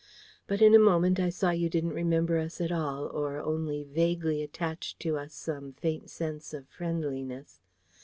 But in a moment, I saw you didn't remember us at all, or only vaguely attached to us some faint sense of friendliness.